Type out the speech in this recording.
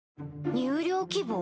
入寮希望？